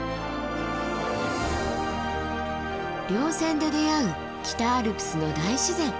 稜線で出会う北アルプスの大自然。